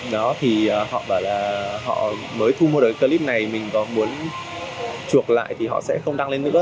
đó thì họ bảo là họ mới thu mua được clip này mình có muốn chuộc lại thì họ sẽ không đăng lên nữa